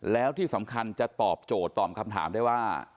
แล้วที่สำคัญจะตอบโจทย์ตอบคำถามได้ว่า